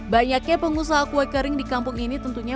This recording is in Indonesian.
banyaknya pengusaha kue kering di kampung ini tentunya